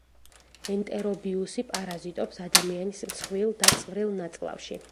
ენტერობიუსი პარაზიტობს ადამიანის მსხვილ და წვრილ ნაწლავში.